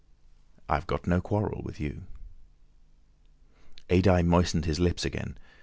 "I've got no quarrel with you." Adye moistened his lips again.